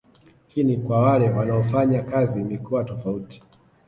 Hii ni kwa wale wanaofanya kazi mikoa tofauti